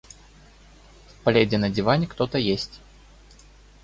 В пледе на диване кто-то есть.